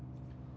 dan hingga hidup